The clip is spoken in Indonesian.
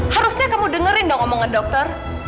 harusnya kamu dengerin dong omongan dokter